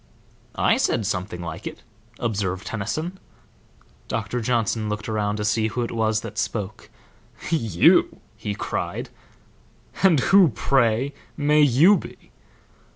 "I said something like it," observed Tennyson. Doctor Johnson looked around to see who it was that spoke. "You?" he cried. "And who, pray, may you be?"